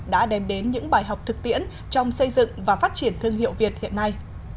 đã đem đến những bài học thực tiễn trong xây dựng và phát triển thương hiệu việt hiện nay